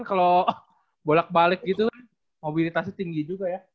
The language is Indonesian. kalau bolak balik gitu mobilitasnya tinggi juga ya